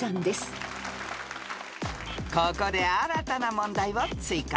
［ここで新たな問題を追加］